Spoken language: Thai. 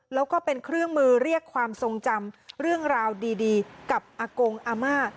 แล้วก็เป็นเครื่องมือเรียกความทรงจำเรื่องราวดีกับอากงอาม่า